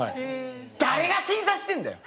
誰が審査してんだよ！